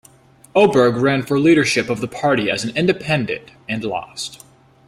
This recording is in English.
Oberg ran for leadership of the party as an Independent and lost.